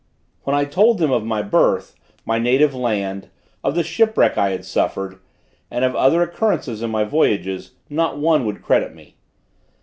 When I told them of my birth, my native land, of the shipwreck I had suffered, and of other occurrences in my voyages, not one would credit me.